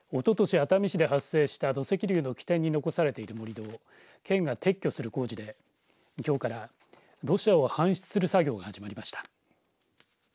熱海市で発生した土石流の起点に残されている盛り土を県が撤去する工事できょうから土砂を搬出する作業が始まりました。